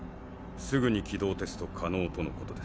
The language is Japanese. すぐに起動テスト可能とのことです。